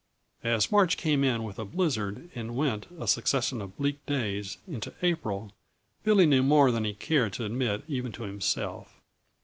As March came in with a blizzard and went, a succession of bleak days, into April, Billy knew more than he cared to admit even to himself.